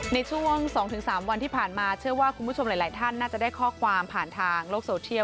ในช่วง๒๓วันที่ผ่านมาเชื่อว่าคุณผู้ชมหลายท่านน่าจะได้ข้อความผ่านทางโลกโซเทียล